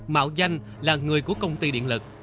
mạo danh là người của công ty điện lực